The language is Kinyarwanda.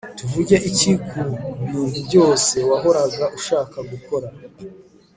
tuvuge iki ku bintu byose wahoraga ushaka gukora